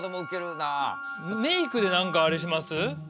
メイクでなんかあれします？